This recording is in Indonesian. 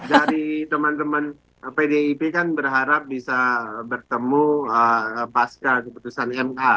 dari teman teman pdip kan berharap bisa bertemu pasca keputusan ma